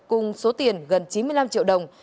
cùng số tiền gần chín mươi năm triệu đồng